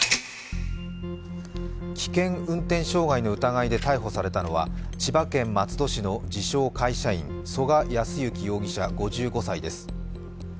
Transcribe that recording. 危険運転傷害の疑いで逮捕されたのは、千葉県松戸市の自称・会社員曽我康之容疑者５５歳です。